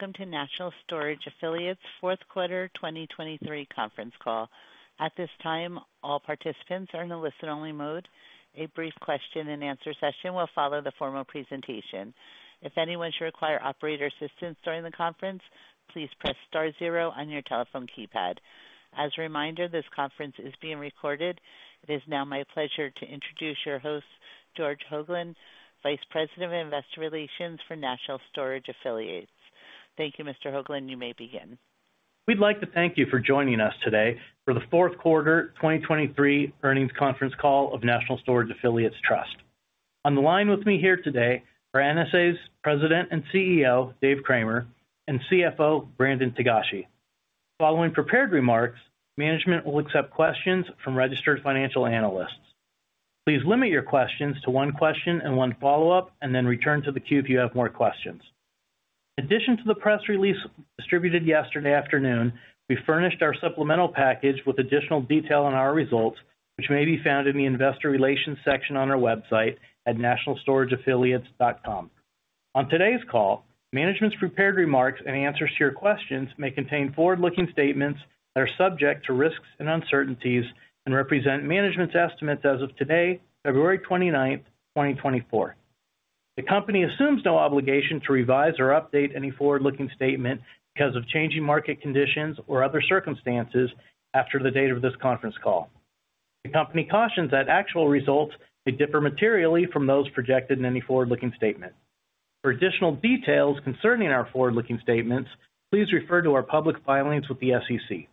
Welcome to National Storage Affiliates' fourth quarter 2023 conference call. At this time, all participants are in a listen-only mode. A brief question-and-answer session will follow the formal presentation. If anyone should require operator assistance during the conference, please press star zero on your telephone keypad. As a reminder, this conference is being recorded. It is now my pleasure to introduce your host, George Hoglund, Vice President of Investor Relations for National Storage Affiliates. Thank you, Mr. Hoglund. You may begin. We'd like to thank you for joining us today for the fourth quarter 2023 earnings conference call of National Storage Affiliates Trust. On the line with me here today are NSA's President and CEO, Dave Cramer, and CFO, Brandon Togashi. Following prepared remarks, management will accept questions from registered financial analysts. Please limit your questions to one question and one follow-up, and then return to the queue if you have more questions. In addition to the press release distributed yesterday afternoon, we furnished our supplemental package with additional detail on our results, which may be found in the Investor Relations section on our website at nationalstorageaffiliates.com. On today's call, management's prepared remarks and answers to your questions may contain forward-looking statements that are subject to risks and uncertainties and represent management's estimates as of today, February 29, 2024. The company assumes no obligation to revise or update any forward-looking statement because of changing market conditions or other circumstances after the date of this conference call. The company cautions that actual results may differ materially from those projected in any forward-looking statement. For additional details concerning our forward-looking statements, please refer to our public filings with the SEC.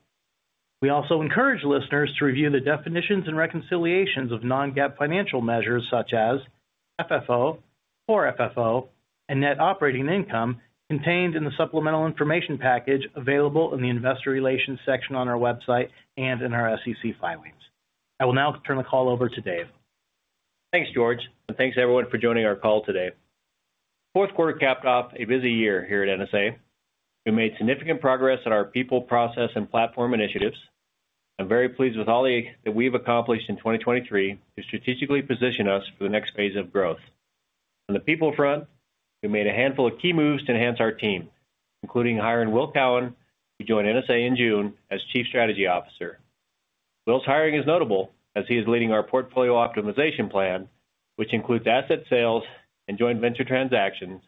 We also encourage listeners to review the definitions and reconciliations of non-GAAP financial measures such as FFO, core FFO, and net operating income contained in the supplemental information package available in the Investor Relations section on our website and in our SEC filings. I will now turn the call over to Dave. Thanks, George. And thanks, everyone, for joining our call today. Fourth quarter capped off a busy year here at NSA. We made significant progress in our people, process, and platform initiatives. I'm very pleased with all that we've accomplished in 2023 to strategically position us for the next phase of growth. On the people front, we made a handful of key moves to enhance our team, including hiring Will Cohen, who joined NSA in June as Chief Strategy Officer. Will's hiring is notable as he is leading our portfolio optimization plan, which includes asset sales and joint venture transactions.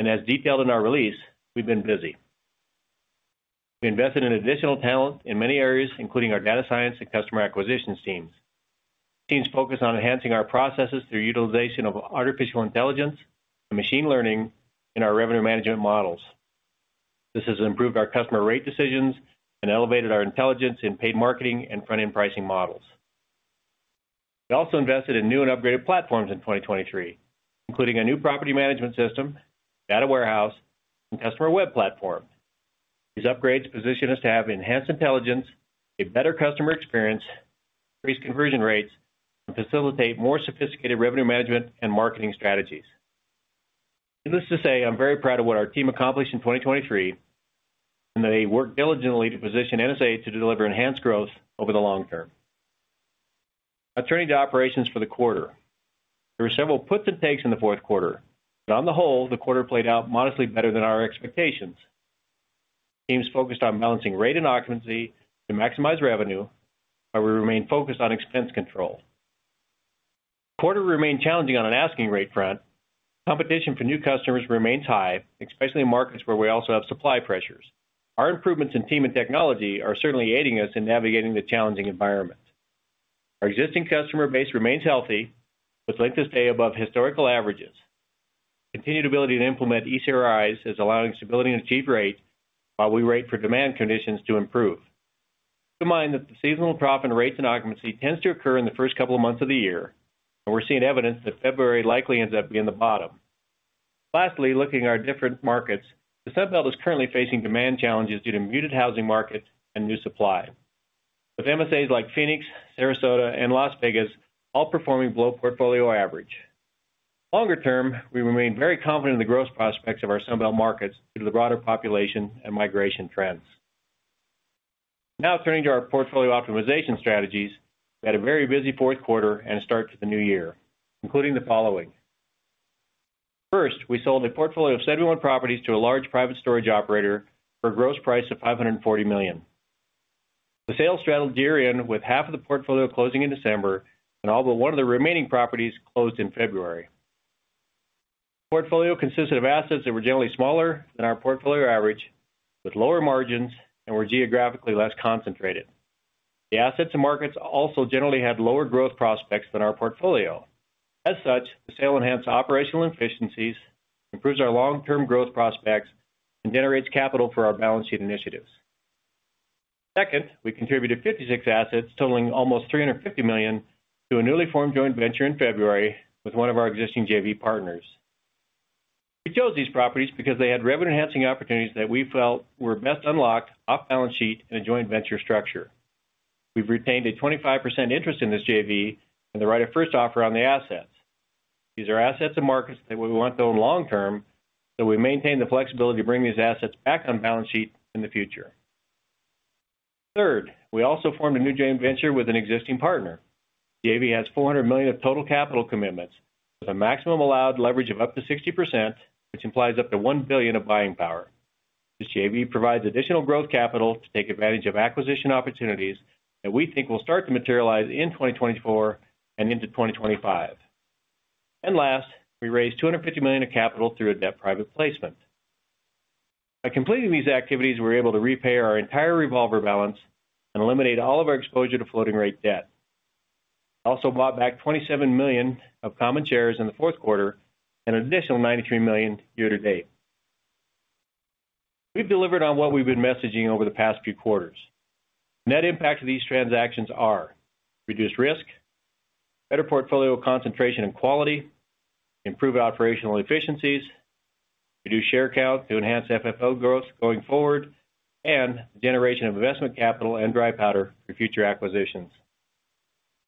And as detailed in our release, we've been busy. We invested in additional talent in many areas, including our data science and customer acquisitions teams. Teams focus on enhancing our processes through utilization of artificial intelligence and machine learning in our revenue management models. This has improved our customer rate decisions and elevated our intelligence in paid marketing and front-end pricing models. We also invested in new and upgraded platforms in 2023, including a new property management system, data warehouse, and customer web platform. These upgrades position us to have enhanced intelligence, a better customer experience, increased conversion rates, and facilitate more sophisticated revenue management and marketing strategies. Needless to say, I'm very proud of what our team accomplished in 2023 and that they worked diligently to position NSA to deliver enhanced growth over the long term. Now turning to operations for the quarter. There were several puts and takes in the fourth quarter, but on the whole, the quarter played out modestly better than our expectations. Teams focused on balancing rate and occupancy to maximize revenue, but we remained focused on expense control. The quarter remained challenging on an asking rate front. Competition for new customers remains high, especially in markets where we also have supply pressures. Our improvements in team and technology are certainly aiding us in navigating the challenging environment. Our existing customer base remains healthy, with length of stay above historical averages. Continued ability to implement ECRIs is allowing stability and achieved rate while we wait for demand conditions to improve. Keep in mind that the seasonal drop in rates and occupancy tends to occur in the first couple of months of the year, and we're seeing evidence that February likely ends up being the bottom. Lastly, looking at our different markets, the Sun Belt is currently facing demand challenges due to muted housing markets and new supply, with MSAs like Phoenix, Sarasota, and Las Vegas all performing below portfolio average. Longer term, we remain very confident in the growth prospects of our Sun Belt markets due to the broader population and migration trends. Now turning to our portfolio optimization strategies, we had a very busy fourth quarter and a start to the new year, including the following. First, we sold a portfolio of 71 properties to a large private storage operator for a gross price of $540 million. The sales straddled year-end, with half of the portfolio closing in December and all but one of the remaining properties closed in February. The portfolio consisted of assets that were generally smaller than our portfolio average, with lower margins and were geographically less concentrated. The assets and markets also generally had lower growth prospects than our portfolio. As such, the sale enhanced operational efficiencies, improved our long-term growth prospects, and generated capital for our balance sheet initiatives. Second, we contributed 56 assets, totaling almost $350 million, to a newly formed joint venture in February with one of our existing JV partners. We chose these properties because they had revenue-enhancing opportunities that we felt were best unlocked off balance sheet in a joint venture structure. We've retained a 25% interest in this JV and the right of first offer on the assets. These are assets and markets that we want to own long term, so we maintain the flexibility to bring these assets back on balance sheet in the future. Third, we also formed a new joint venture with an existing partner. The JV has $400 million of total capital commitments, with a maximum allowed leverage of up to 60%, which implies up to $1 billion of buying power. This JV provides additional growth capital to take advantage of acquisition opportunities that we think will start to materialize in 2024 and into 2025. Last, we raised $250 million of capital through a debt private placement. By completing these activities, we were able to repay our entire revolver balance and eliminate all of our exposure to floating rate debt. We also bought back $27 million of common shares in the fourth quarter and an additional $93 million year-to-date. We've delivered on what we've been messaging over the past few quarters. The net impact of these transactions are reduced risk, better portfolio concentration and quality, improved operational efficiencies, reduced share count to enhance FFO growth going forward, and the generation of investment capital and dry powder for future acquisitions.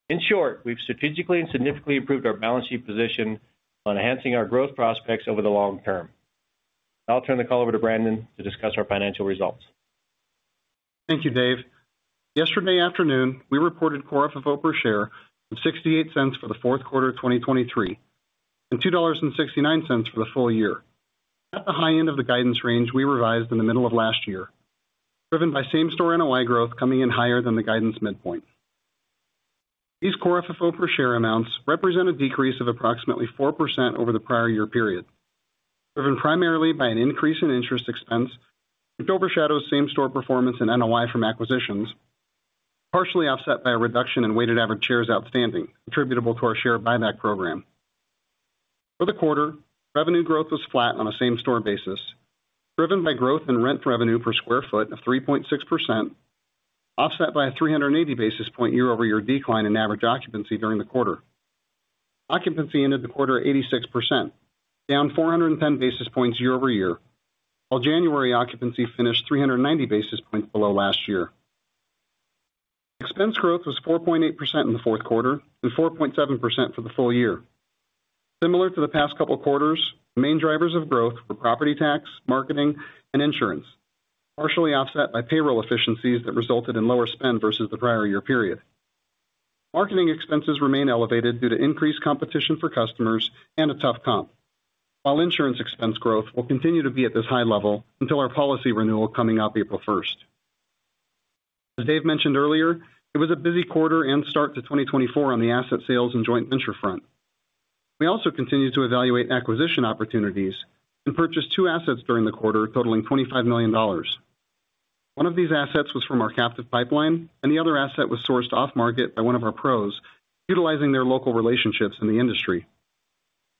In short, we've strategically and significantly improved our balance sheet position on enhancing our growth prospects over the long term. Now I'll turn the call over to Brandon to discuss our financial results. Thank you, Dave. Yesterday afternoon, we reported Core FFO per share of $0.68 for the fourth quarter of 2023 and $2.69 for the full year, at the high end of the guidance range we revised in the middle of last year, driven by same-store NOI growth coming in higher than the guidance midpoint. These Core FFO per share amounts represent a decrease of approximately 4% over the prior year period, driven primarily by an increase in interest expense which overshadows same-store performance in NOI from acquisitions, partially offset by a reduction in weighted average shares outstanding attributable to our share buyback program. For the quarter, revenue growth was flat on a same-store basis, driven by growth in rent revenue per square feet of 3.6%, offset by a 380 basis point year-over-year decline in average occupancy during the quarter. Occupancy ended the quarter at 86%, down 410 basis points year-over-year, while January occupancy finished 390 basis points below last year. Expense growth was 4.8% in the fourth quarter and 4.7% for the full year. Similar to the past couple of quarters, the main drivers of growth were property tax, marketing, and insurance, partially offset by payroll efficiencies that resulted in lower spend versus the prior year period. Marketing expenses remain elevated due to increased competition for customers and a tough comp, while insurance expense growth will continue to be at this high level until our policy renewal coming up April 1st. As Dave mentioned earlier, it was a busy quarter and start to 2024 on the asset sales and joint venture front. We also continued to evaluate acquisition opportunities and purchased two assets during the quarter, totaling $25 million. One of these assets was from our captive pipeline, and the other asset was sourced off-market by one of our PROs utilizing their local relationships in the industry.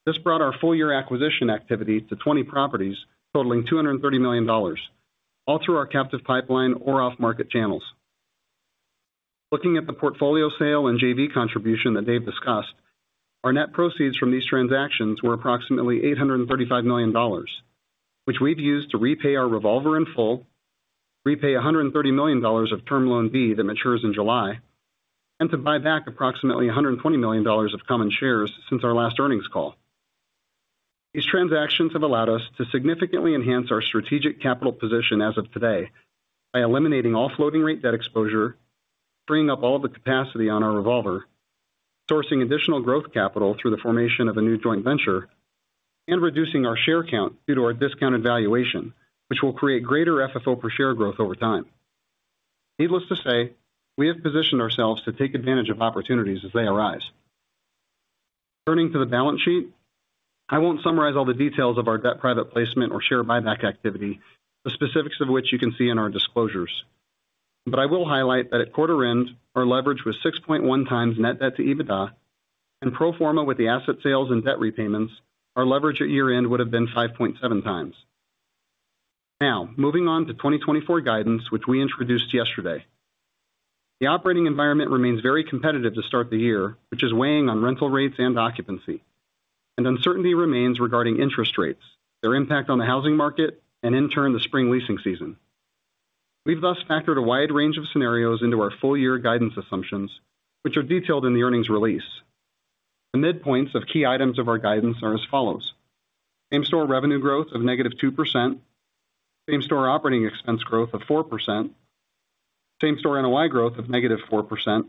This brought our full-year acquisition activity to 20 properties, totaling $230 million, all through our captive pipeline or off-market channels. Looking at the portfolio sale and JV contribution that Dave discussed, our net proceeds from these transactions were approximately $835 million, which we've used to repay our revolver in full, repay $130 million of Term Loan B that matures in July, and to buy back approximately $120 million of common shares since our last earnings call. These transactions have allowed us to significantly enhance our strategic capital position as of today by eliminating all floating rate debt exposure, freeing up all of the capacity on our revolver, sourcing additional growth capital through the formation of a new joint venture, and reducing our share count due to our discounted valuation, which will create greater FFO per share growth over time. Needless to say, we have positioned ourselves to take advantage of opportunities as they arise. Turning to the balance sheet, I won't summarize all the details of our debt private placement or share buyback activity, the specifics of which you can see in our disclosures. But I will highlight that at quarter end, our leverage was 6.1 times net debt to EBITDA, and pro forma with the asset sales and debt repayments, our leverage at year-end would have been 5.7 times. Now, moving on to 2024 guidance, which we introduced yesterday. The operating environment remains very competitive to start the year, which is weighing on rental rates and occupancy. Uncertainty remains regarding interest rates, their impact on the housing market, and in turn the spring leasing season. We've thus factored a wide range of scenarios into our full-year guidance assumptions, which are detailed in the earnings release. The midpoints of key items of our guidance are as follows: same-store revenue growth of -2%, same-store operating expense growth of 4%, same-store NOI growth of -4%,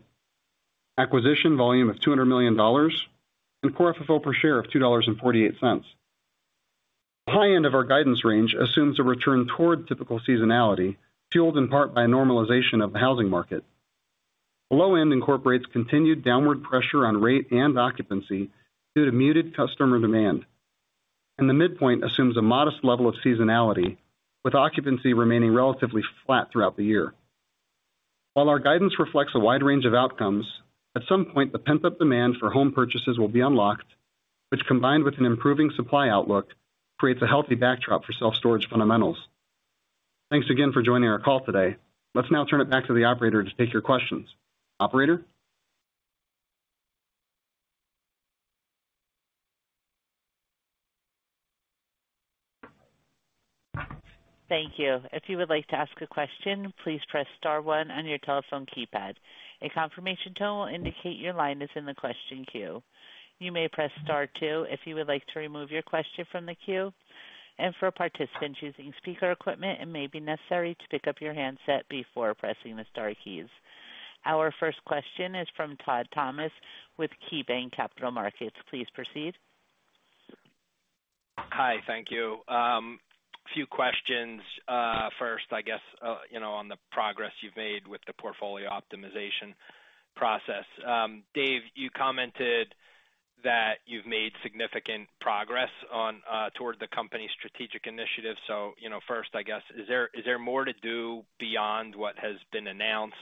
acquisition volume of $200 million, and Core FFO per share of $2.48. The high end of our guidance range assumes a return toward typical seasonality, fueled in part by a normalization of the housing market. The low end incorporates continued downward pressure on rate and occupancy due to muted customer demand. The midpoint assumes a modest level of seasonality, with occupancy remaining relatively flat throughout the year. While our guidance reflects a wide range of outcomes, at some point the pent-up demand for home purchases will be unlocked, which combined with an improving supply outlook creates a healthy backdrop for self-storage fundamentals. Thanks again for joining our call today. Let's now turn it back to the operator to take your questions. Operator? Thank you. If you would like to ask a question, please press star one on your telephone keypad. A confirmation tone will indicate your line is in the question queue. You may press star two if you would like to remove your question from the queue. For participants using speaker equipment, it may be necessary to pick up your handset before pressing the star keys. Our first question is from Todd Thomas with KeyBanc Capital Markets. Please proceed. Hi. Thank you. A few questions, first, I guess, you know, on the progress you've made with the portfolio optimization process. Dave, you commented that you've made significant progress on toward the company's strategic initiative. So, you know, first, I guess, is there more to do beyond what has been announced,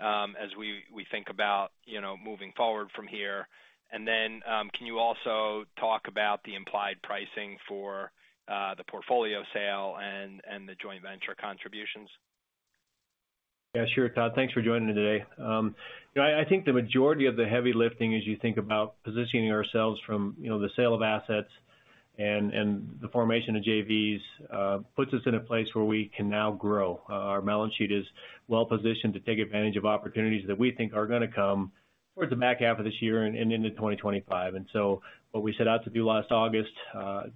as we think about, you know, moving forward from here? And then, can you also talk about the implied pricing for the portfolio sale and the joint venture contributions? Yeah, sure, Todd. Thanks for joining today. You know, I, I think the majority of the heavy lifting, as you think about positioning ourselves from, you know, the sale of assets and, and the formation of JVs, puts us in a place where we can now grow. Our balance sheet is well positioned to take advantage of opportunities that we think are going to come towards the back half of this year and, and into 2025. And so what we set out to do last August,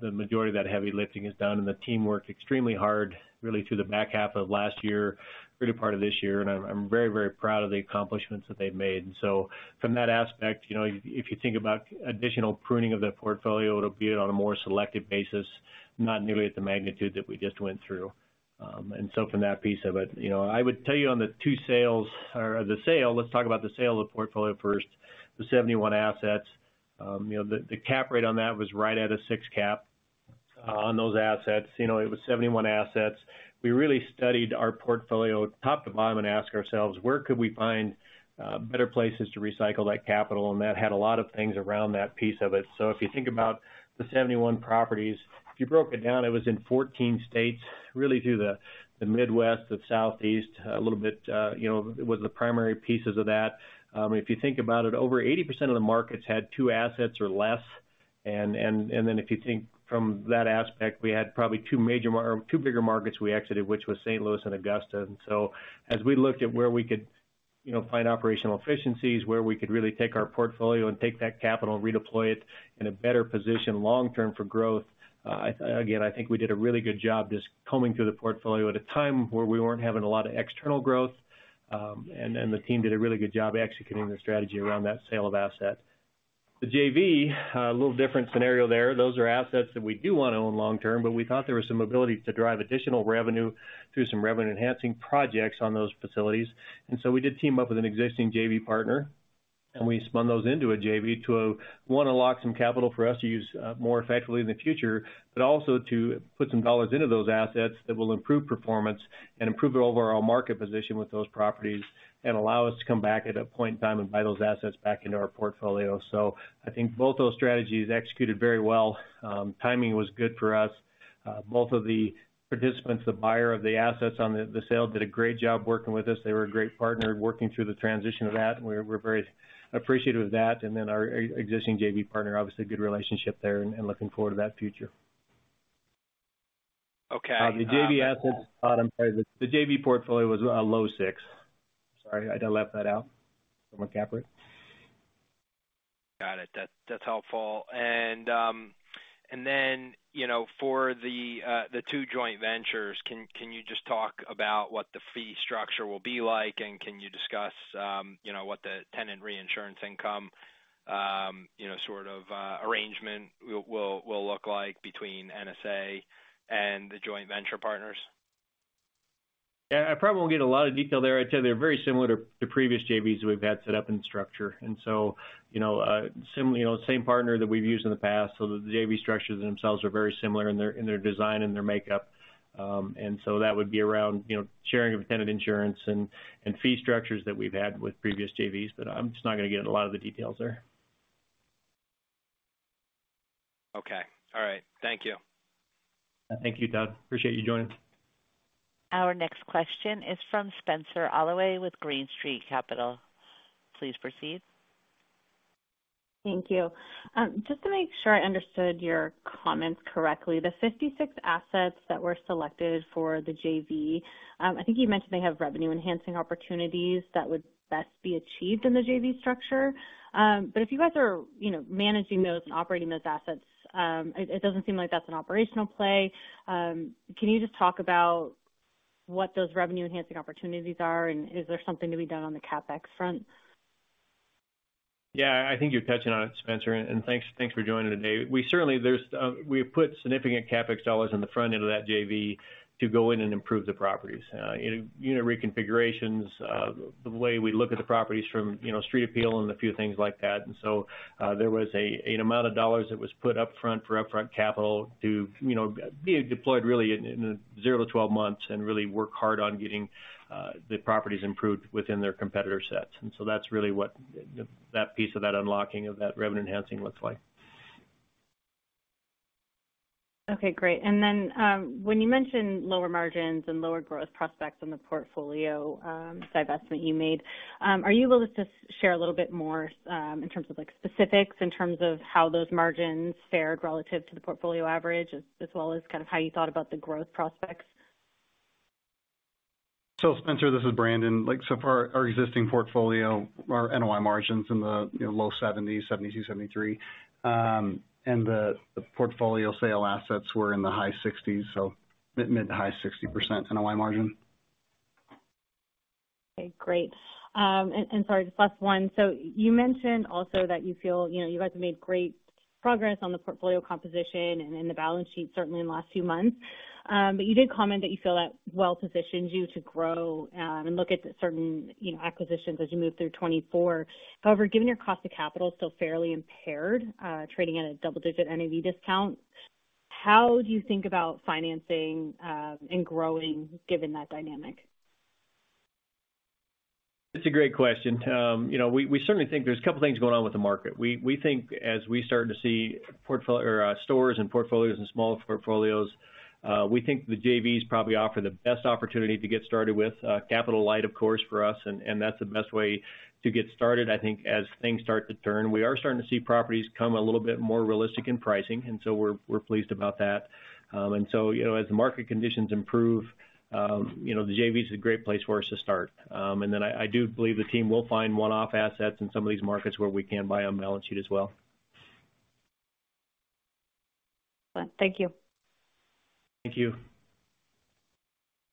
the majority of that heavy lifting is done, and the team worked extremely hard, really, through the back half of last year, through to part of this year. And I'm, I'm very, very proud of the accomplishments that they've made. From that aspect, you know, if you think about additional pruning of the portfolio, it'll be on a more selective basis, not nearly at the magnitude that we just went through. From that piece of it, you know, I would tell you on the two sales or, or the sale. Let's talk about the sale of the portfolio first, the 71 assets. You know, the, the cap rate on that was right at a 6 cap on those assets. You know, it was 71 assets. We really studied our portfolio top to bottom and asked ourselves, where could we find better places to recycle that capital? And that had a lot of things around that piece of it. So if you think about the 71 properties, if you broke it down, it was in 14 states, really, through the Midwest, the Southeast, a little bit, you know, was the primary pieces of that. If you think about it, over 80% of the markets had two assets or less. And then if you think from that aspect, we had probably two major mar or two bigger markets we exited, which was St. Louis and Augusta. And so as we looked at where we could, you know, find operational efficiencies, where we could really take our portfolio and take that capital and redeploy it in a better position long term for growth, I again, I think we did a really good job just combing through the portfolio at a time where we weren't having a lot of external growth. The team did a really good job executing the strategy around that sale of asset. The JV, a little different scenario there. Those are assets that we do want to own long term, but we thought there were some abilities to drive additional revenue through some revenue-enhancing projects on those facilities. And so we did team up with an existing JV partner, and we spun those into a JV to, one, unlock some capital for us to use, more effectively in the future, but also to put some dollars into those assets that will improve performance and improve overall market position with those properties and allow us to come back at a point in time and buy those assets back into our portfolio. So I think both those strategies executed very well. Timing was good for us. Both of the participants, the buyer of the assets on the sale, did a great job working with us. They were a great partner working through the transition of that. We're very appreciative of that. And then our existing JV partner, obviously, good relationship there and looking forward to that future. Okay. The JV assets, Todd. I'm sorry. The JV portfolio was a low six. Sorry. I left that out from a cap rate. Got it. That's helpful. And then, you know, for the two joint ventures, can you just talk about what the fee structure will be like, and can you discuss, you know, what the tenant reinsurance income, you know, sort of, arrangement will look like between NSA and the joint venture partners? Yeah. I probably won't get a lot of detail there. I'd say they're very similar to previous JVs that we've had set up in structure. And so, you know, similar, you know, same partner that we've used in the past. So the JV structures themselves are very similar in their design and their makeup. And so that would be around, you know, sharing of tenant insurance and fee structures that we've had with previous JVs. But I'm just not going to get into a lot of the details there. Okay. All right. Thank you. Thank you, Todd. Appreciate you joining. Our next question is from Spenser Allaway with Green Street Capital. Please proceed. Thank you. Just to make sure I understood your comments correctly, the 56 assets that were selected for the JV, I think you mentioned they have revenue-enhancing opportunities that would best be achieved in the JV structure. But if you guys are, you know, managing those and operating those assets, it, it doesn't seem like that's an operational play. Can you just talk about what those revenue-enhancing opportunities are, and is there something to be done on the CapEx front? Yeah. I, I think you're touching on it, Spencer. And, and thanks, thanks for joining today. We certainly, there's we've put significant CapEx dollars in the front end of that JV to go in and improve the properties, unit, unit reconfigurations, the way we look at the properties from, you know, street appeal and a few things like that. And so, there was a, an amount of dollars that was put up front for upfront capital to, you know, be deployed really in, in zero-12 months and really work hard on getting, the properties improved within their competitor sets. And so that's really what that piece of that unlocking of that revenue-enhancing looks like. Okay. Great. And then, when you mentioned lower margins and lower growth prospects in the portfolio divestment you made, are you able to share a little bit more, in terms of, like, specifics, in terms of how those margins fared relative to the portfolio average, as well as kind of how you thought about the growth prospects? So, Spencer, this is Brandon. Like, so far, our existing portfolio, our NOI margins in the, you know, low 70s, 72, 73. And the portfolio sale assets were in the high 60s, so mid to high 60% NOI margin. Okay. Great. And sorry, just last one. So you mentioned also that you feel, you know, you guys have made great progress on the portfolio composition and in the balance sheet, certainly in the last few months. But you did comment that you feel that well-positioned you to grow, and look at certain, you know, acquisitions as you move through 2024. However, given your cost of capital is still fairly impaired, trading at a double-digit NAV discount, how do you think about financing, and growing given that dynamic? It's a great question. You know, we certainly think there's a couple of things going on with the market. We think as we start to see portfolio or stores and portfolios and small portfolios, we think the JVs probably offer the best opportunity to get started with capital light, of course, for us. And that's the best way to get started, I think, as things start to turn. We are starting to see properties come a little bit more realistic in pricing, and so we're pleased about that. So, you know, as the market conditions improve, you know, the JVs a great place for us to start. And then I do believe the team will find one-off assets in some of these markets where we can buy on balance sheet as well. Excellent. Thank you. Thank you.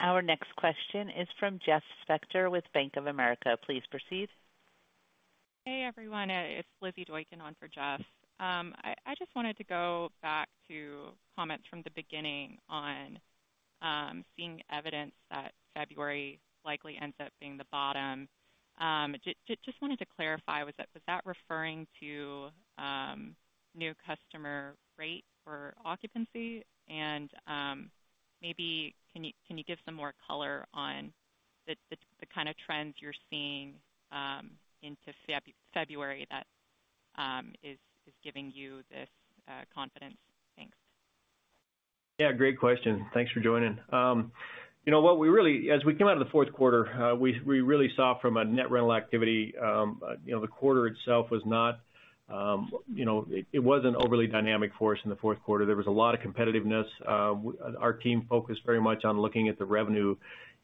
Our next question is from Jeff Spector with Bank of America. Please proceed. Hey, everyone. It's Lizzy Doykan on for Jeff. I just wanted to go back to comments from the beginning on seeing evidence that February likely ends up being the bottom. Just wanted to clarify, was that referring to new customer rate or occupancy? And maybe can you give some more color on the kind of trends you're seeing into February that is giving you this confidence? Thanks. Yeah. Great question. Thanks for joining. You know, what we really as we came out of the fourth quarter, we really saw from a net rental activity, you know, the quarter itself was not, you know, it wasn't overly dynamic for us in the fourth quarter. There was a lot of competitiveness. Our team focused very much on looking at the revenue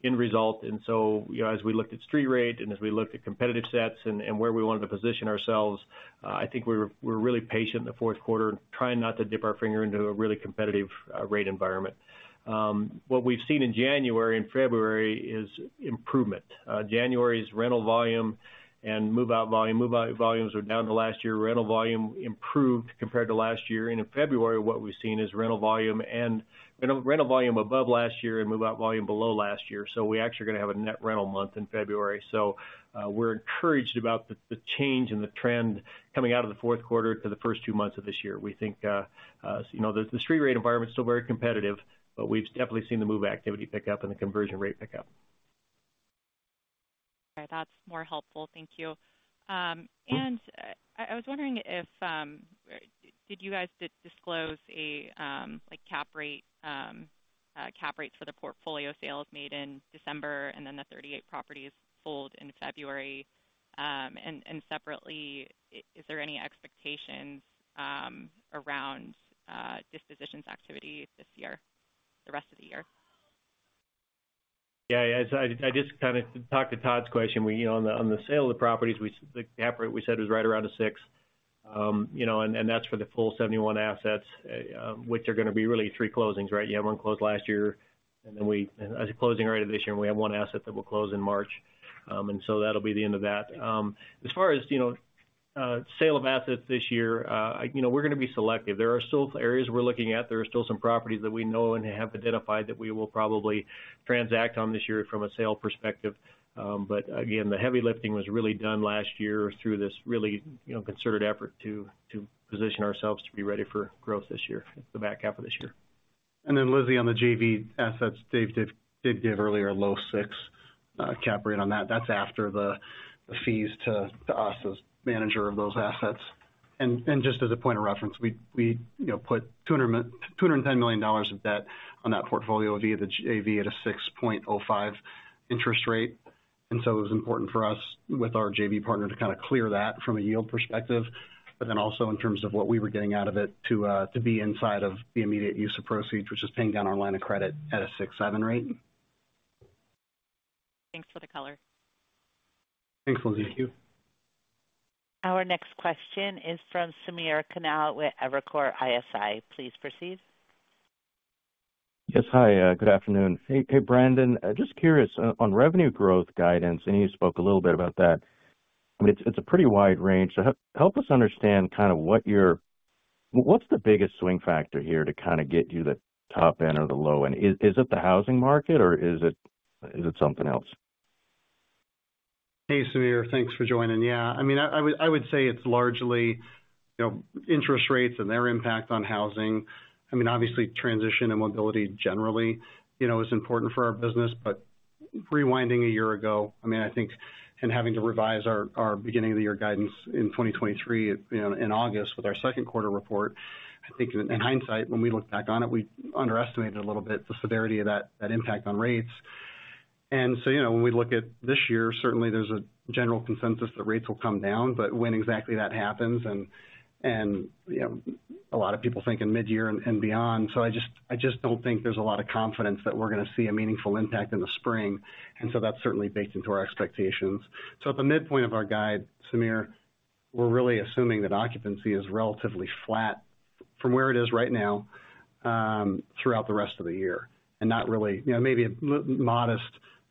end result. And so, you know, as we looked at street rate and as we looked at competitive sets and where we wanted to position ourselves, I think we were really patient in the fourth quarter trying not to dip our finger into a really competitive rate environment. What we've seen in January and February is improvement. January's rental volume and move-out volumes are down to last year. Rental volume improved compared to last year. In February, what we've seen is rental volume and rental volume above last year and move-out volume below last year. So we actually are going to have a net rental month in February. So, we're encouraged about the change and the trend coming out of the fourth quarter to the first two months of this year. We think, you know, the street rate environment's still very competitive, but we've definitely seen the move activity pick up and the conversion rate pick up. Okay. That's more helpful. Thank you. And I was wondering if you guys disclosed a, like, cap rate, cap rates for the portfolio sales made in December and then the 38 properties sold in February? And separately, is there any expectations around dispositions activity this year, the rest of the year? Yeah. Yeah. As I just kind of talked to Todd's question. We, you know, on the sale of the properties, we said the cap rate we said was right around 6%. You know, and that's for the full 71 assets, which are going to be really three closings, right? You have one closed last year, and then we have a closing later this year. We have one asset that will close in March. And so that'll be the end of that. As far as, you know, sale of assets this year, I, you know, we're going to be selective. There are still areas we're looking at. There are still some properties that we know and have identified that we will probably transact on this year from a sale perspective. But again, the heavy lifting was really done last year through this really, you know, concerted effort to position ourselves to be ready for growth this year, the back half of this year. Then Lizzy on the JV assets, Dave did give earlier a low 6 cap rate on that. That's after the fees to us as manager of those assets. And just as a point of reference, we, you know, put $200 million-$210 million of debt on that portfolio via the JV at a 6.05% interest rate. And so it was important for us with our JV partner to kind of clear that from a yield perspective, but then also in terms of what we were getting out of it to be inside of the immediate use of proceeds, which is paying down our line of credit at a 6.7% rate. Thanks for the color. Thanks, Lizzy. Thank you. Our next question is from Samir Khanal with Evercore ISI. Please proceed. Yes. Hi. Good afternoon. Hey, hey, Brandon. Just curious, on revenue growth guidance, and you spoke a little bit about that. I mean, it's, it's a pretty wide range. So help us understand kind of what your what's the biggest swing factor here to kind of get you the top end or the low end? Is, is it the housing market, or is it something else? Hey, Samir. Thanks for joining. Yeah. I mean, I would say it's largely, you know, interest rates and their impact on housing. I mean, obviously, transition and mobility generally, you know, is important for our business. But rewinding a year ago, I mean, I think, and having to revise our beginning of the year guidance in 2023, you know, in August with our second quarter report, I think in hindsight, when we look back on it, we underestimated a little bit the severity of that impact on rates. And so, you know, when we look at this year, certainly, there's a general consensus that rates will come down. But when exactly that happens and, you know, a lot of people think in midyear and beyond. So I just don't think there's a lot of confidence that we're going to see a meaningful impact in the spring. And so that's certainly baked into our expectations. So at the midpoint of our guide, Samir, we're really assuming that occupancy is relatively flat from where it is right now, throughout the rest of the year and not really you know, maybe a modest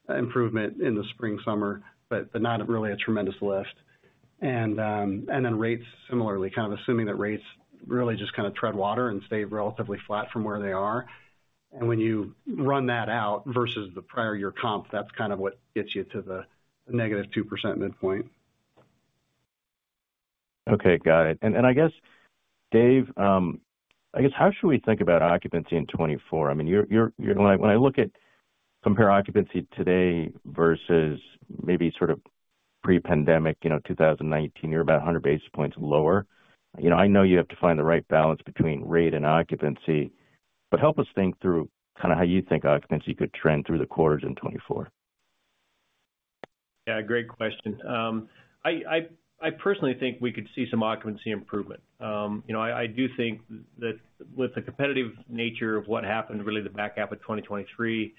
improvement in the spring, summer, but not really a tremendous lift. And then rates similarly, kind of assuming that rates really just kind of tread water and stay relatively flat from where they are. And when you run that out versus the prior year comp, that's kind of what gets you to the -2% midpoint. Okay. Got it. And I guess, Dave, I guess how should we think about occupancy in 2024? I mean, you're when I look at compare occupancy today versus maybe sort of pre-pandemic, you know, 2019, you're about 100 basis points lower. You know, I know you have to find the right balance between rate and occupancy, but help us think through kind of how you think occupancy could trend through the quarters in 2024. Yeah. Great question. I personally think we could see some occupancy improvement. You know, I do think that with the competitive nature of what happened, really, the back half of 2023,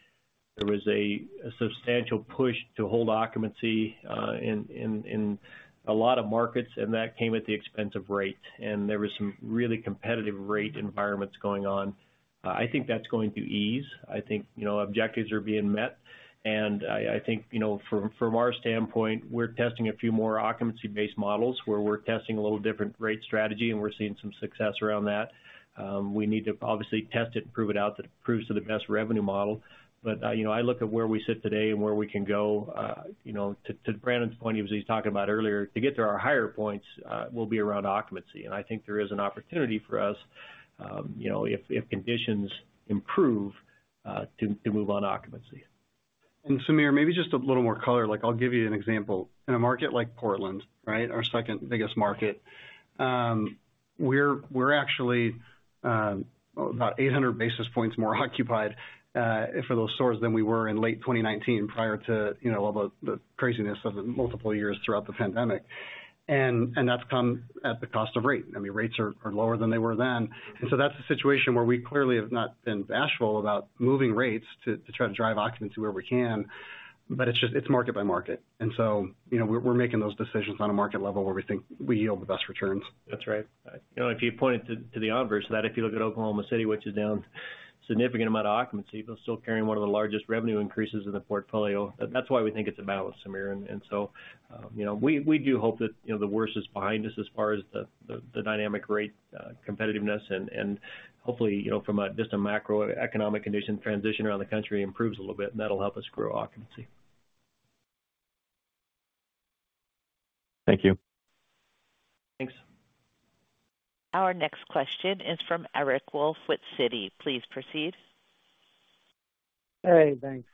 there was a substantial push to hold occupancy in a lot of markets. And that came at the expense of rates. And there was some really competitive rate environments going on. I think that's going to ease. I think, you know, objectives are being met. And I think, you know, from our standpoint, we're testing a few more occupancy-based models where we're testing a little different rate strategy, and we're seeing some success around that. We need to obviously test it and prove it out that it proves to the best revenue model. But, you know, I look at where we sit today and where we can go, you know, to Brandon's point, he was talking about earlier, to get to our higher points, will be around occupancy. And I think there is an opportunity for us, you know, if conditions improve, to move on occupancy. Samir, maybe just a little more color. Like, I'll give you an example. In a market like Portland, right, our second biggest market, we're actually about 800 basis points more occupied for those stores than we were in late 2019 prior to, you know, all the craziness of the multiple years throughout the pandemic. And that's come at the cost of rate. I mean, rates are lower than they were then. And so that's a situation where we clearly have not been bashful about moving rates to try to drive occupancy where we can. But it's just it's market by market. And so, you know, we're making those decisions on a market level where we think we yield the best returns. That's right. You know, if you pointed to the odds versus that, if you look at Oklahoma City, which is down a significant amount of occupancy, they're still carrying one of the largest revenue increases in the portfolio. That's why we think it's a balance, Samir. And so, you know, we do hope that, you know, the worst is behind us as far as the dynamic rate competitiveness. And hopefully, you know, from just a macroeconomic condition transition around the country improves a little bit, and that'll help us grow occupancy. Thank you. Thanks. Our next question is from Eric Wolfe with Citi. Please proceed. Hey. Thanks.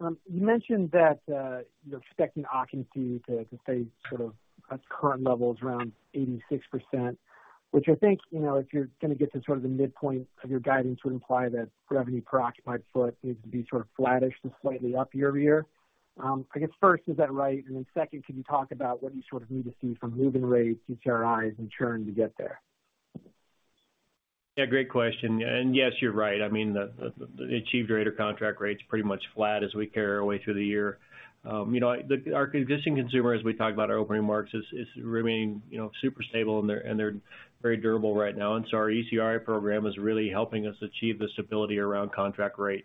You mentioned that you're expecting occupancy to stay sort of at current levels around 86%, which I think, you know, if you're going to get to sort of the midpoint of your guidance would imply that revenue per occupied foot needs to be sort of flattish to slightly up year-over-year. I guess first, is that right? And then second, could you talk about what you sort of need to see from moving rates, ECRIs, and churn to get there? Yeah. Great question. And yes, you're right. I mean, the achieved rate or contract rate's pretty much flat as we carry our way through the year. You know, our existing consumer, as we talked about our opening remarks, is remaining, you know, super stable, and they're very durable right now. And so our ECRI program is really helping us achieve the stability around contract rate.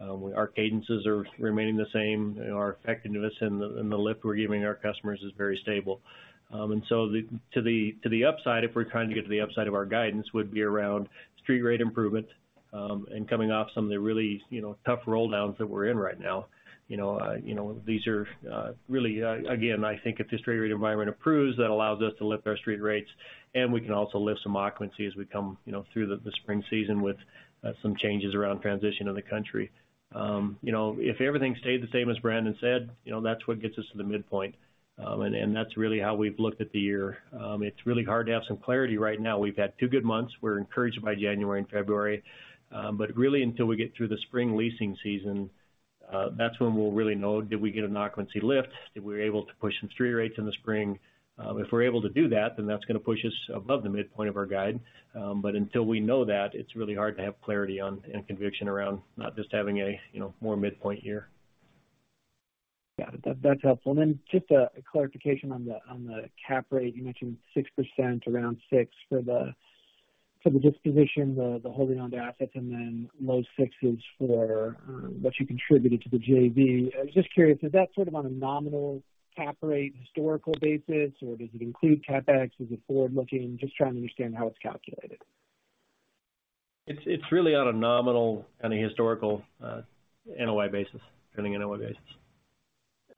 Our cadences are remaining the same. You know, our effectiveness in the lift we're giving our customers is very stable. And so to the upside, if we're trying to get to the upside of our guidance, would be around street rate improvement, and coming off some of the really, you know, tough rolldowns that we're in right now. You know, you know, these are really again, I think if the street rate environment improves, that allows us to lift our street rates. And we can also lift some occupancy as we come, you know, through the spring season with some changes around transition in the country. You know, if everything stayed the same as Brandon said, you know, that's what gets us to the midpoint. And that's really how we've looked at the year. It's really hard to have some clarity right now. We've had two good months. We're encouraged by January and February. But really, until we get through the spring leasing season, that's when we'll really know: did we get an occupancy lift? Were we able to push some street rates in the spring? If we're able to do that, then that's going to push us above the midpoint of our guide. Until we know that, it's really hard to have clarity on and conviction around not just having a, you know, more midpoint year. Got it. That's, that's helpful. And then just a clarification on the cap rate. You mentioned 6%, around 6% for the disposition, the holding onto assets, and then low sixes for what you contributed to the JV. I was just curious, is that sort of on a nominal cap rate historical basis, or does it include CapEx? Is it forward-looking? Just trying to understand how it's calculated. It's really on a nominal kind of historical NOI basis, pending NOI basis.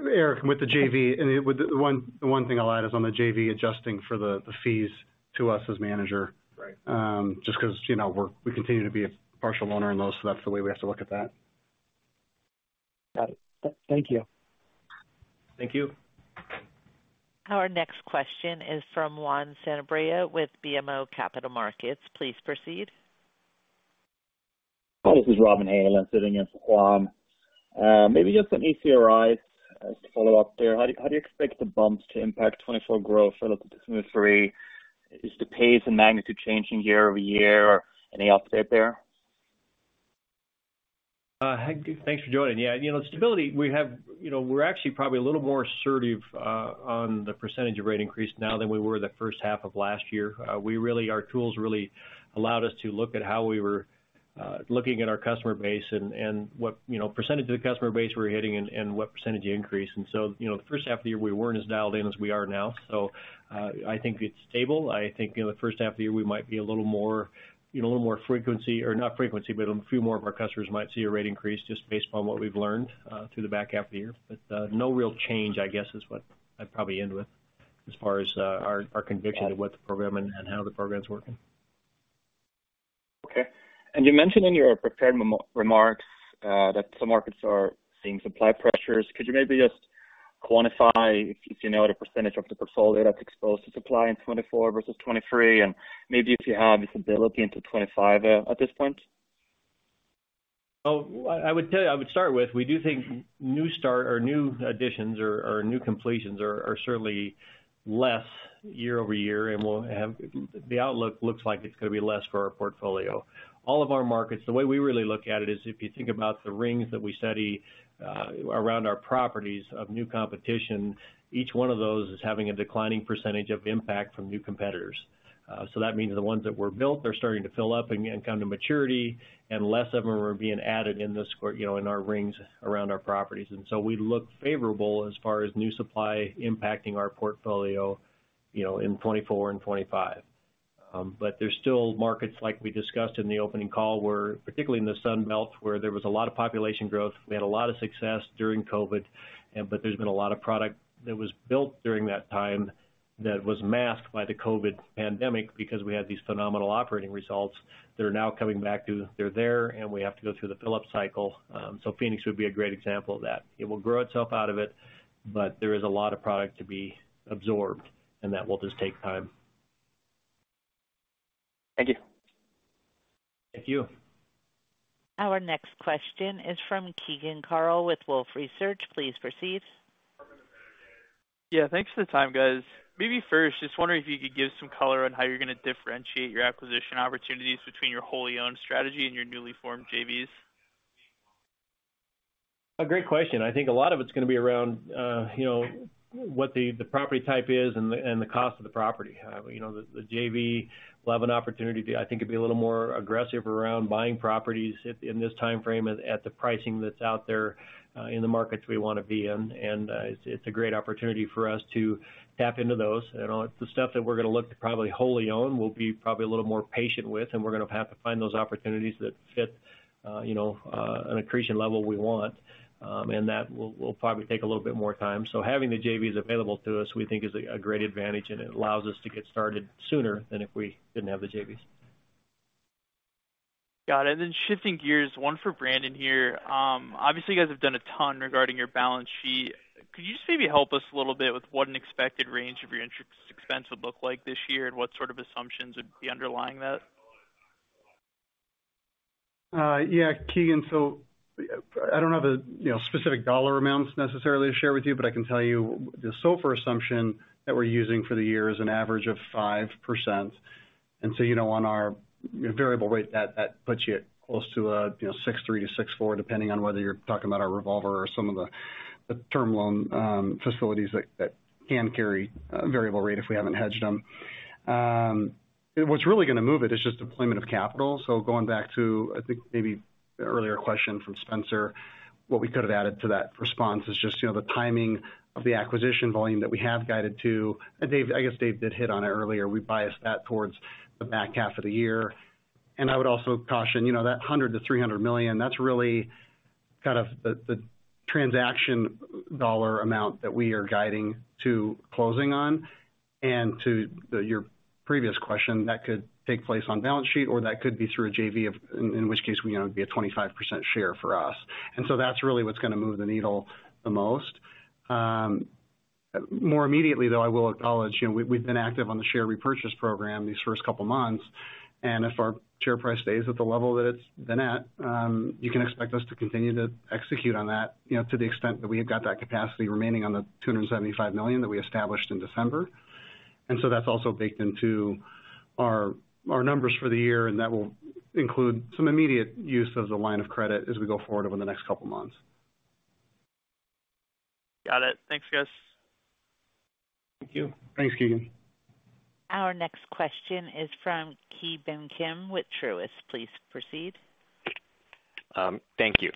Eric, with the JV I mean, with the one thing I'll add is on the JV adjusting for the fees to us as manager. Right. Just because, you know, we continue to be a partial owner in those, so that's the way we have to look at that. Got it. Thank you. Thank you. Our next question is from Juan Sanabria with BMO Capital Markets. Please proceed. Hi. This is Robin Hanley sitting in for Juan. Maybe just some ECRIs as a follow-up there. How do you expect the bumps to impact 2024 growth relative to 2023? Is the pace and magnitude changing year-over-year, or any update there? Thanks for joining. Yeah. You know, stability, we have you know, we're actually probably a little more assertive on the percentage of rate increase now than we were the first half of last year. We really, our tools really allowed us to look at how we were looking at our customer base and what, you know, percentage of the customer base we were hitting and what percentage of increase. And so, you know, the first half of the year, we weren't as dialed in as we are now. So, I think it's stable. I think, you know, the first half of the year, we might be a little more, you know, a little more frequency or not frequency, but a few more of our customers might see a rate increase just based upon what we've learned through the back half of the year. No real change, I guess, is what I'd probably end with as far as our conviction of what the program and how the program's working. Okay. And you mentioned in your prepared remarks, that some markets are seeing supply pressures. Could you maybe just quantify, if, if you know, the percentage of the portfolio that's exposed to supply in 2024 versus 2023 and maybe if you have visibility into 2025, at this point? Well, I would tell you I would start with, we do think new start or new additions or new completions are certainly less year-over-year, and the outlook looks like it's going to be less for our portfolio. All of our markets the way we really look at it is if you think about the rings that we study, around our properties of new competition, each one of those is having a declining percentage of impact from new competitors. So that means the ones that were built are starting to fill up and come to maturity, and less of them are being added in this you know, in our rings around our properties. And so we look favorable as far as new supply impacting our portfolio, you know, in 2024 and 2025. But there's still markets, like we discussed in the opening call, where particularly in the Sun Belt, where there was a lot of population growth. We had a lot of success during COVID. And but there's been a lot of product that was built during that time that was masked by the COVID pandemic because we had these phenomenal operating results that are now coming back to they're there, and we have to go through the fill-up cycle. So Phoenix would be a great example of that. It will grow itself out of it, but there is a lot of product to be absorbed, and that will just take time. Thank you. Thank you. Our next question is from Keegan Carl with Wolfe Research. Please proceed. Yeah. Thanks for the time, guys. Maybe first, just wondering if you could give some color on how you're going to differentiate your acquisition opportunities between your wholly-owned strategy and your newly-formed JVs? A great question. I think a lot of it's going to be around, you know, what the, the property type is and the and the cost of the property. You know, the, the JV level opportunity I think it'd be a little more aggressive around buying properties at the in this time frame at, at the pricing that's out there, in the markets we want to be in. And, it's, it's a great opportunity for us to tap into those. You know, it's the stuff that we're going to look to probably wholly own will be probably a little more patient with, and we're going to have to find those opportunities that fit, you know, an accretion level we want. And that will, will probably take a little bit more time. So having the JVs available to us, we think, is a great advantage, and it allows us to get started sooner than if we didn't have the JVs. Got it. And then shifting gears, one for Brandon here. Obviously, you guys have done a ton regarding your balance sheet. Could you just maybe help us a little bit with what an expected range of your interest expense would look like this year and what sort of assumptions would be underlying that? Yeah. Keegan, so I don't have a, you know, specific dollar amounts necessarily to share with you, but I can tell you the SOFR assumption that we're using for the year is an average of 5%. And so, you know, on our variable rate, that, that puts you close to a, you know, 6.3%-6.4% depending on whether you're talking about our revolver or some of the, the term loan, facilities that, that can carry a variable rate if we haven't hedged them. What's really going to move it is just deployment of capital. So going back to, I think, maybe earlier question from Spencer, what we could have added to that response is just, you know, the timing of the acquisition volume that we have guided to. And Dave, I guess Dave did hit on it earlier. We bias that towards the back half of the year. I would also caution, you know, that $100 million-$300 million, that's really kind of the, the transaction dollar amount that we are guiding to closing on. To your previous question, that could take place on balance sheet, or that could be through a JV of in, in which case, you know, it'd be a 25% share for us. So that's really what's going to move the needle the most. More immediately, though, I will acknowledge, you know, we've been active on the share repurchase program these first couple of months. If our share price stays at the level that it's been at, you can expect us to continue to execute on that, you know, to the extent that we have got that capacity remaining on the $275 million that we established in December. That's also baked into our numbers for the year, and that will include some immediate use of the line of credit as we go forward over the next couple of months. Got it. Thanks, guys. Thank you. Thanks, Keegan. Our next question is from Ki Bin Kim with Truist. Please proceed. Thank you.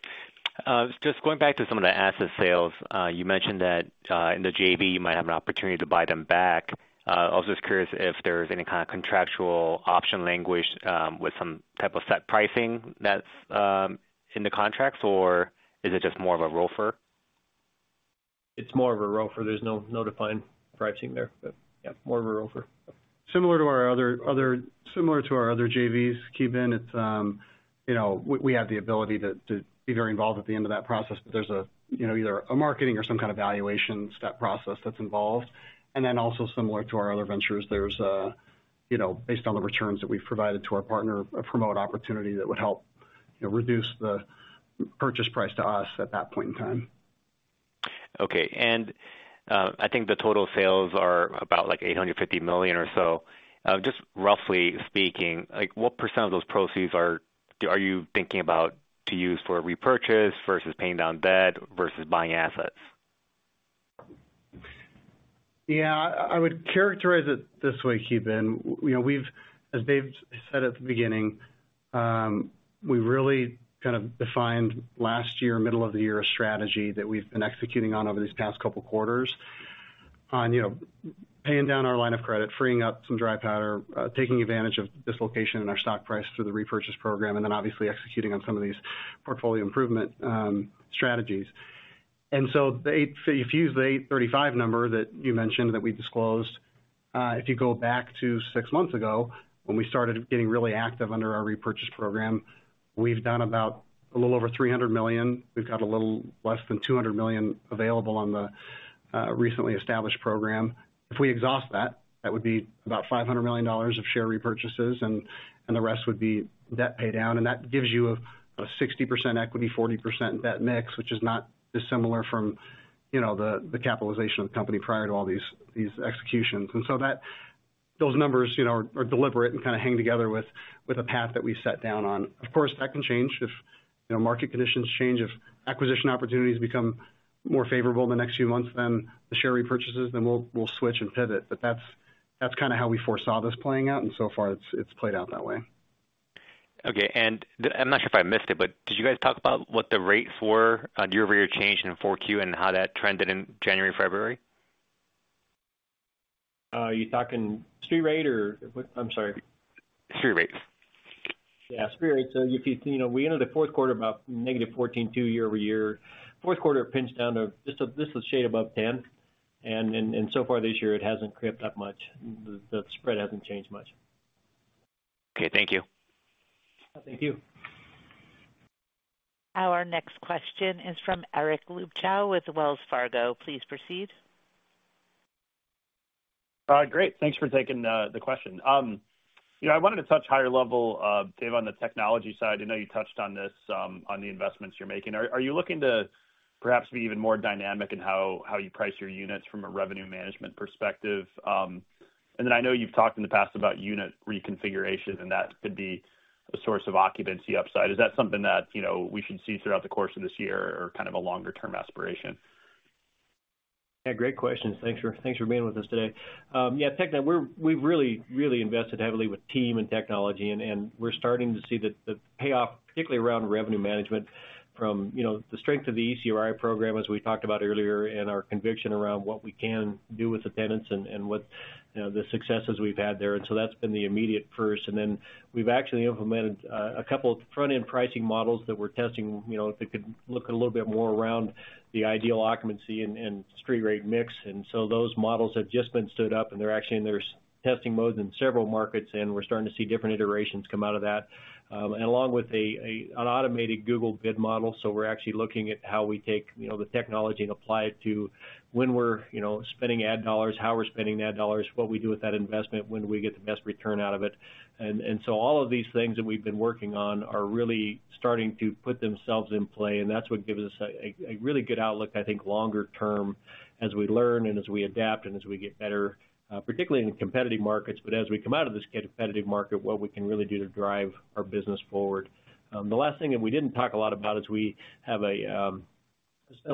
Just going back to some of the asset sales, you mentioned that, in the JV, you might have an opportunity to buy them back. Also just curious if there's any kind of contractual option language, with some type of set pricing that's, in the contracts, or is it just more of a ROFR? It's more of a ROFR. There's no notifying pricing there. But yeah, more of a ROFR. Similar to our other JVs, Ki Bin, it's, you know, we have the ability to be very involved at the end of that process, but there's a, you know, either a marketing or some kind of valuation step process that's involved. And then also similar to our other ventures, there's a, you know, based on the returns that we've provided to our partner, a promote opportunity that would help, you know, reduce the purchase price to us at that point in time. Okay. I think the total sales are about, like, $850 million or so. Just roughly speaking, like, what % of those proceeds are you thinking about to use for repurchase versus paying down debt versus buying assets? Yeah. I would characterize it this way, Ki Bin. You know, we've, as Dave said at the beginning, really kind of defined last year, middle of the year, a strategy that we've been executing on over these past couple of quarters on, you know, paying down our line of credit, freeing up some dry powder, taking advantage of dislocation in our stock price through the repurchase program, and then obviously executing on some of these portfolio improvement strategies. So the $8, if you use the $835 number that you mentioned that we disclosed, if you go back to six months ago, when we started getting really active under our repurchase program, we've done about a little over $300 million. We've got a little less than $200 million available on the recently established program. If we exhaust that, that would be about $500 million of share repurchases, and the rest would be debt paydown. That gives you a 60% equity, 40% debt mix, which is not dissimilar from, you know, the capitalization of the company prior to all these executions. So those numbers, you know, are deliberate and kind of hang together with a path that we set down on. Of course, that can change if, you know, market conditions change, if acquisition opportunities become more favorable in the next few months than the share repurchases, then we'll switch and pivot. But that's kind of how we foresaw this playing out, and so far, it's played out that way. Okay. I'm not sure if I missed it, but did you guys talk about what the rates were year-over-year change in 4Q and how that trended in January, February? You're talking street rate or what? I'm sorry. Street rates. Yeah. Street rates. So if you know, we entered the fourth quarter about -14.2 year-over-year. Fourth quarter pinched down to just a shade above 10. And so far this year, it hasn't crept up much. The spread hasn't changed much. Okay. Thank you. Thank you. Our next question is from Eric Luebchow with Wells Fargo. Please proceed. Great. Thanks for taking the question. You know, I wanted to touch higher level, Dave, on the technology side. I know you touched on this, on the investments you're making. Are you looking to perhaps be even more dynamic in how you price your units from a revenue management perspective? And then I know you've talked in the past about unit reconfiguration, and that could be a source of occupancy upside. Is that something that, you know, we should see throughout the course of this year or kind of a longer-term aspiration? Yeah. Great questions. Thanks for being with us today. Yeah, technically, we've really invested heavily with team and technology, and we're starting to see the payoff, particularly around revenue management from, you know, the strength of the ECRI program, as we talked about earlier, and our conviction around what we can do with attendance and what, you know, the successes we've had there. And so that's been the immediate first. And then we've actually implemented a couple of front-end pricing models that we're testing, you know, that could look a little bit more around the ideal occupancy and street rate mix. And so those models have just been stood up, and they're actually in their testing modes in several markets, and we're starting to see different iterations come out of that. And along with an automated Google bid model, so we're actually looking at how we take, you know, the technology and apply it to when we're, you know, spending ad dollars, how we're spending ad dollars, what we do with that investment, when do we get the best return out of it. And so all of these things that we've been working on are really starting to put themselves in play, and that's what gives us a really good outlook, I think, longer term as we learn and as we adapt and as we get better, particularly in competitive markets. But as we come out of this competitive market, what we can really do to drive our business forward. The last thing that we didn't talk a lot about is we've spent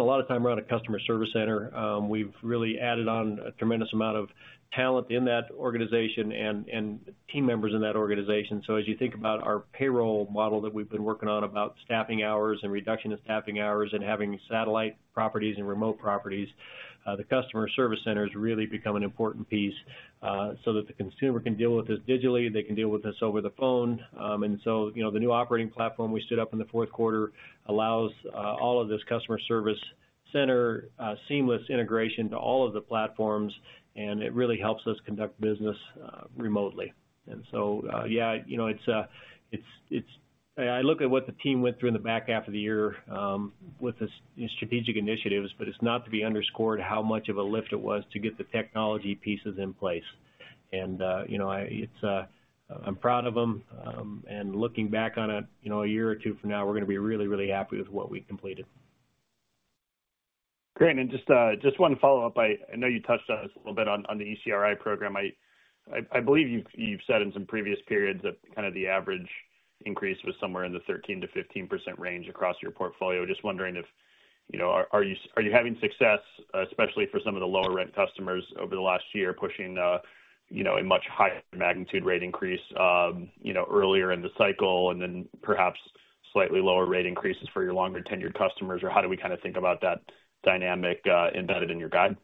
a lot of time around a customer service center. We've really added on a tremendous amount of talent in that organization and, and team members in that organization. So as you think about our payroll model that we've been working on about staffing hours and reduction in staffing hours and having satellite properties and remote properties, the customer service center has really become an important piece, so that the consumer can deal with us digitally. They can deal with us over the phone. And so, you know, the new operating platform we stood up in the fourth quarter allows all of this customer service center seamless integration to all of the platforms, and it really helps us conduct business remotely. And so, yeah, you know, it's. I look at what the team went through in the back half of the year with the strategic initiatives, but it's not to be underscored how much of a lift it was to get the technology pieces in place. And, you know, it's. I'm proud of them. And looking back on it, you know, a year or two from now, we're going to be really, really happy with what we completed. Great. Just one follow-up. I know you touched on this a little bit on the ECRI program. I believe you've said in some previous periods that kind of the average increase was somewhere in the 13%-15% range across your portfolio. Just wondering if, you know, are you having success, especially for some of the lower-rent customers over the last year pushing, you know, a much higher magnitude rate increase, you know, earlier in the cycle and then perhaps slightly lower rate increases for your longer-tenured customers? Or how do we kind of think about that dynamic, embedded in your guide?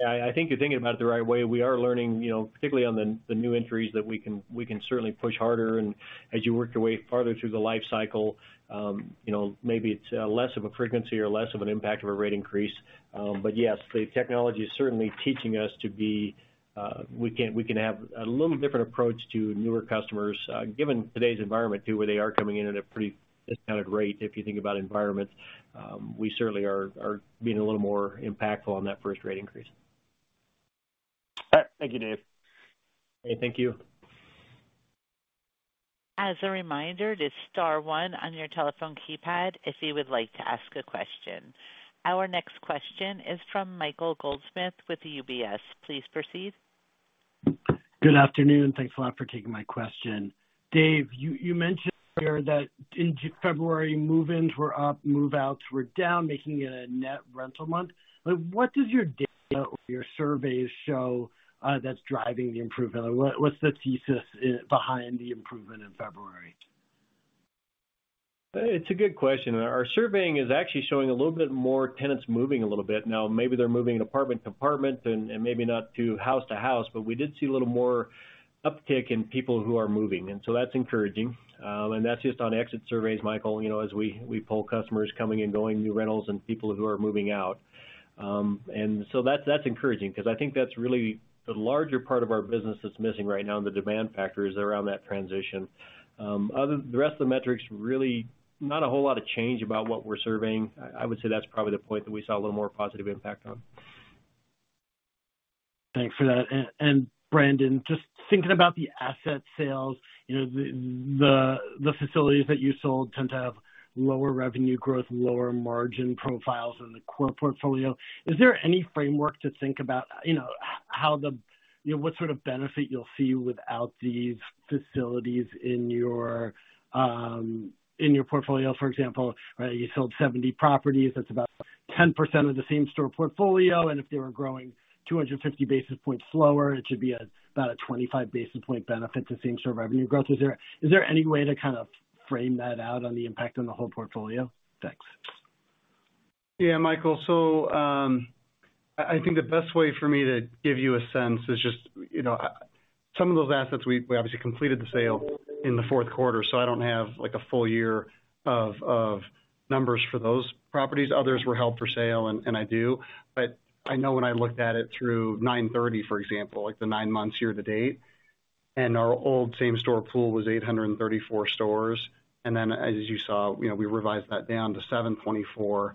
Thanks. Yeah. I think you're thinking about it the right way. We are learning, you know, particularly on the new entries that we can certainly push harder. And as you work your way farther through the life cycle, you know, maybe it's less of a frequency or less of an impact of a rate increase. But yes, the technology is certainly teaching us to be. We can have a little different approach to newer customers, given today's environment too, where they are coming in at a pretty discounted rate. If you think about environments, we certainly are being a little more impactful on that first rate increase. All right. Thank you, Dave. Hey. Thank you. As a reminder, there's star one on your telephone keypad if you would like to ask a question. Our next question is from Michael Goldsmith with UBS. Please proceed. Good afternoon. Thanks a lot for taking my question. Dave, you, you mentioned earlier that in February, move-ins were up, move-outs were down, making it a net rental month. But what does your data or your surveys show, that's driving the improvement? What, what's the thesis behind the improvement in February? It's a good question. Our surveying is actually showing a little bit more tenants moving a little bit now. Maybe they're moving apartment to apartment and, and maybe not to house to house, but we did see a little more uptick in people who are moving. And so that's encouraging. And that's just on exit surveys, Michael, you know, as we pull customers coming and going, new rentals and people who are moving out. And so that's encouraging because I think that's really the larger part of our business that's missing right now and the demand factor is around that transition. Other than the rest of the metrics, really not a whole lot of change about what we're surveying. I would say that's probably the point that we saw a little more positive impact on. Thanks for that. And Brandon, just thinking about the asset sales, you know, the facilities that you sold tend to have lower revenue growth, lower margin profiles in the core portfolio. Is there any framework to think about, you know, how the you know, what sort of benefit you'll see without these facilities in your portfolio, for example, right? You sold 70 properties. That's about 10% of the same store portfolio. And if they were growing 250 basis points slower, it should be about a 25 basis point benefit to same store revenue growth. Is there any way to kind of frame that out on the impact on the whole portfolio? Thanks. Yeah, Michael. So, I think the best way for me to give you a sense is just, you know, some of those assets, we obviously completed the sale in the fourth quarter, so I don't have, like, a full year of numbers for those properties. Others were held for sale, and I do. But I know when I looked at it through 9/30, for example, like the nine months year to date, and our old same store pool was 834 stores, and then as you saw, you know, we revised that down to 724,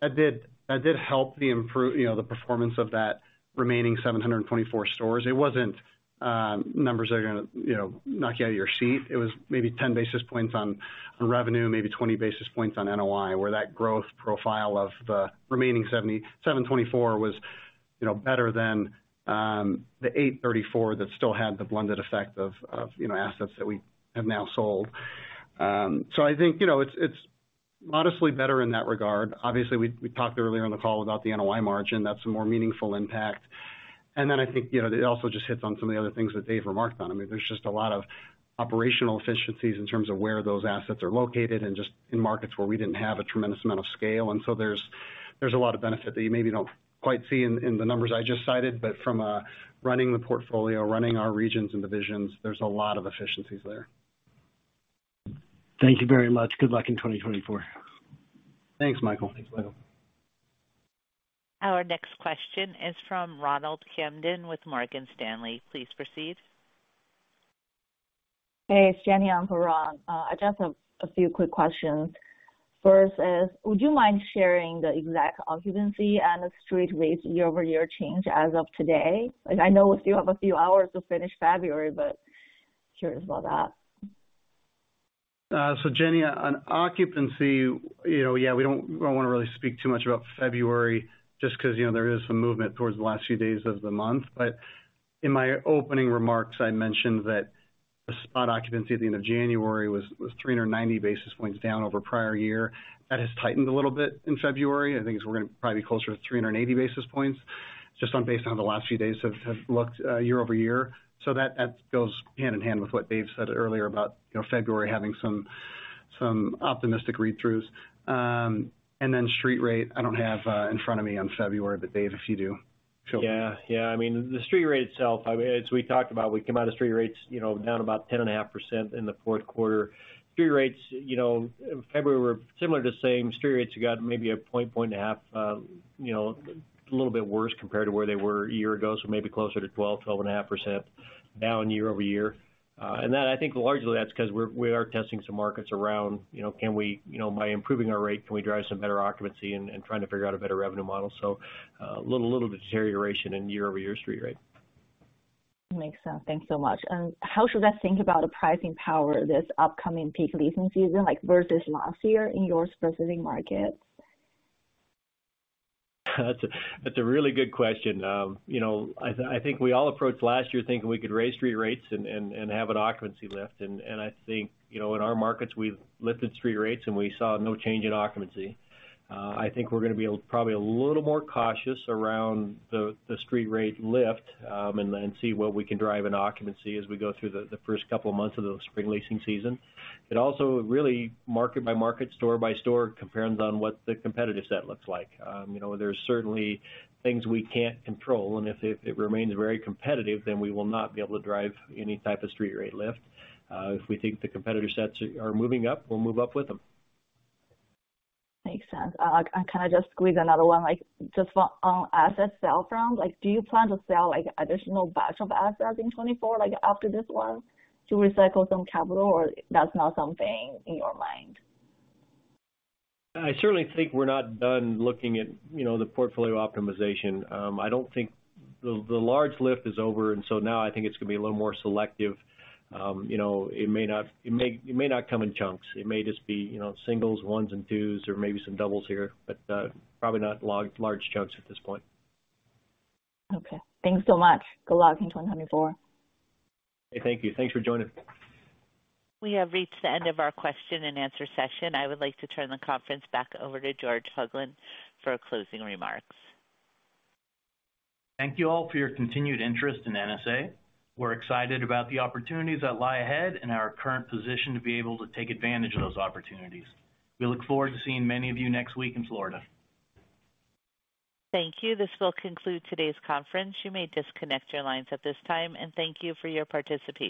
that did help the improvement, you know, the performance of that remaining 724 stores. It wasn't numbers that are going to, you know, knock you out of your seat. It was maybe 10 basis points on revenue, maybe 20 basis points on NOI, where that growth profile of the remaining 70,724 was, you know, better than the 834 that still had the blended effect of assets that we have now sold. So I think, you know, it's modestly better in that regard. Obviously, we talked earlier on the call about the NOI margin. That's a more meaningful impact. And then I think, you know, it also just hits on some of the other things that Dave remarked on. I mean, there's just a lot of operational efficiencies in terms of where those assets are located and just in markets where we didn't have a tremendous amount of scale. And so there's a lot of benefit that you maybe don't quite see in the numbers I just cited. But from running the portfolio, running our regions and divisions, there's a lot of efficiencies there. Thank you very much. Good luck in 2024. Thanks, Michael. Thanks, Michael. Our next question is from Ronald Kamdem with Morgan Stanley. Please proceed. Hey. It's Jenny on the phone. I just have a few quick questions. First is, would you mind sharing the exact occupancy and the street rate year-over-year change as of today? I know we still have a few hours to finish February, but curious about that. So, Jenny, on occupancy, you know, yeah, we don't we don't want to really speak too much about February just because, you know, there is some movement towards the last few days of the month. But in my opening remarks, I mentioned that the spot occupancy at the end of January was 390 basis points down over prior year. That has tightened a little bit in February. I think we're going to probably be closer to 380 basis points just based on how the last few days have looked, year-over-year. So that goes hand in hand with what Dave said earlier about, you know, February having some optimistic read-throughs. And then street rate, I don't have in front of me on February, but Dave, if you do, feel free. Yeah. Yeah. I mean, the street rate itself, I mean, as we talked about, we came out of street rates, you know, down about 10.5% in the fourth quarter. Street rates, you know, in February, were similar to same. Street rates have got maybe 1 point, 1.5 points, you know, a little bit worse compared to where they were a year ago, so maybe closer to 12%-12.5% down year-over-year. That I think largely, that's because we're, we are testing some markets around, you know, can we, you know, by improving our rate, can we drive some better occupancy and, and trying to figure out a better revenue model. So, a little, little deterioration in year-over-year street rate. Makes sense. Thanks so much. How should I think about the pricing power this upcoming peak leasing season, like, versus last year in your specific market? That's a, that's a really good question. You know, I, I think we all approached last year thinking we could raise street rates and, and, and have an occupancy lift. I think, you know, in our markets, we've lifted street rates, and we saw no change in occupancy. I think we're going to be probably a little more cautious around the, the street rate lift, and, and see what we can drive in occupancy as we go through the, the first couple of months of the spring leasing season. It also really market by market, store by store, comparison on what the competitive set looks like. You know, there's certainly things we can't control. If, if it remains very competitive, then we will not be able to drive any type of street rate lift. If we think the competitive sets are moving up, we'll move up with them. Makes sense. I kind of just squeeze another one. Like, just on, on asset sale front, like, do you plan to sell, like, additional batch of assets in 2024, like, after this one to recycle some capital, or that's not something in your mind? I certainly think we're not done looking at, you know, the portfolio optimization. I don't think the large lift is over. And so now, I think it's going to be a little more selective. You know, it may not come in chunks. It may just be, you know, singles, ones, and twos, or maybe some doubles here, but probably not large chunks at this point. Okay. Thanks so much. Good luck in 2024. Hey. Thank you. Thanks for joining. We have reached the end of our question and answer session. I would like to turn the conference back over to George Hoglund for closing remarks. Thank you all for your continued interest in NSA. We're excited about the opportunities that lie ahead and our current position to be able to take advantage of those opportunities. We look forward to seeing many of you next week in Florida. Thank you. This will conclude today's conference. You may disconnect your lines at this time. Thank you for your participation.